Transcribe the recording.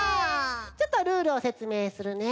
ちょっとルールをせつめいするね。